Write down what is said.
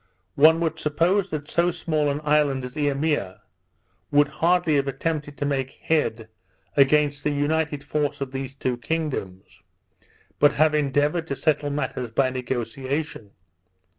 One would suppose that so small an island as Eimea would hardly have attempted to make head against the united force of these two kingdoms, but have endeavoured to settle matters by negociation.